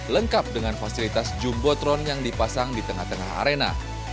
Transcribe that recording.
lengkap dengan fasilitas jumbotron yang dipasang di tengah tengah arena